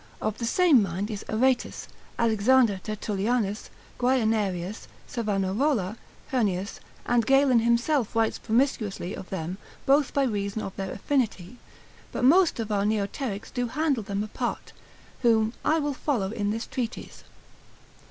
Of the same mind is Areteus, Alexander Tertullianus, Guianerius, Savanarola, Heurnius; and Galen himself writes promiscuously of them both by reason of their affinity: but most of our neoterics do handle them apart, whom I will follow in this treatise.